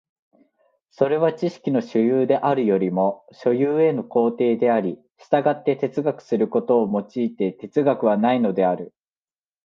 それは知識の所有であるよりも所有への行程であり、従って哲学することを措いて哲学はないのである。